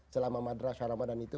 selama madrasah ramadan itu